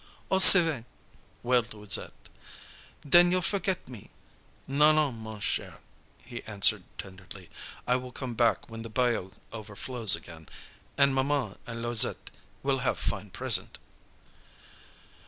"Oh, Sylves'," wailed Louisette, "den you'll forget me!" "Non, non, ma chere," he answered tenderly. "I will come back when the bayou overflows again, an' maman an' Louisette will have fine present."